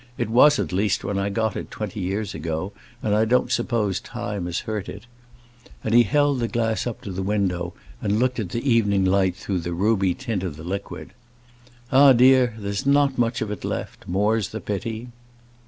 It was, at least, when I got it, twenty years ago, and I don't suppose time has hurt it;" and he held the glass up to the window, and looked at the evening light through the ruby tint of the liquid. "Ah, dear, there's not much of it left; more's the pity."